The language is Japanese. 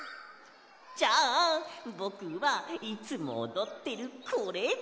じゃあぼくはいつもおどってるこれ！